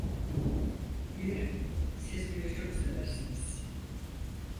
Bilirim siz beni çok seversiniz.